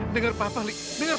dari mana my